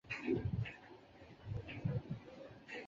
丰川稻荷是位在日本爱知县丰川市的曹洞宗寺院。